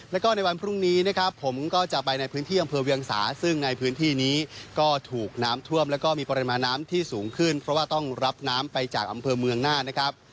แล้วก็ในวันพรุ่งนี้นะครับผมก็จะไปในพื้นที่อำเภอเวียงสาซึ่งในพื้นที่นี้ก็ถูกน้ำท่วมแล้วก็มีปริมาณน้ำที่สูงขึ้นเพราะว่าต้องรับน้ำไปจากอำเภอเมืองน่านนะครับ